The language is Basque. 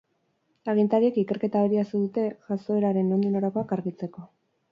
Agintariek ikerketa abiarazi dute jazoeraren nondik norakoak argitzeko.